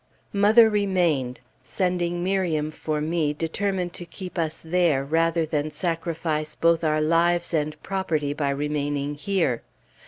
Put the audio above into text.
Mother remained, sending Miriam for me, determined to keep us there, rather than sacrifice both our lives and property by remaining here.